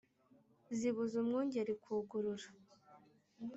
zibuza umwungeri kugurura